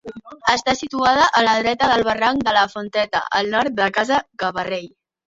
Està situada a la dreta del barranc de la Fonteta, al nord de Casa Gavarrell.